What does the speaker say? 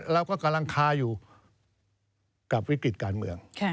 เราก็กำลังคาอยู่กับวิกฤติการเมือง